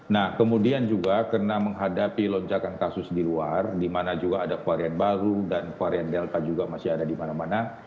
nah kemudian juga karena menghadapi lonjakan kasus di luar di mana juga ada varian baru dan varian delta juga masih ada di mana mana